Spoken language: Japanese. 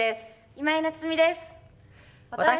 今井菜津美です。